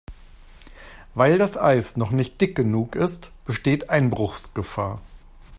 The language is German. Weil das Eis noch nicht dick genug ist, besteht Einbruchsgefahr.